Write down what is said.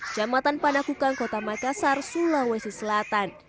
jematan panakukan kota makassar sulawesi selatan